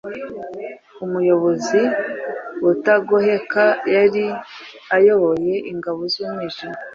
Umuyobozi utagoheka yari ayoboye ingabo z’umwijima,